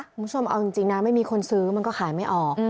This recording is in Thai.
คุณผู้ชมเอาจริงนะไม่มีคนซื้อมันก็ขายไม่ออก